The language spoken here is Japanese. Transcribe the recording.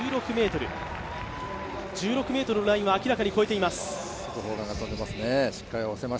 １６ｍのラインは明らかに越えています。